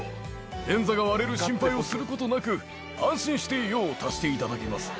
便座が割れる心配をすることなく、安心して用を足していただけます。